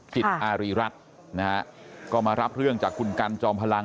จิตอารีรัฐนะฮะก็มารับเรื่องจากคุณกันจอมพลัง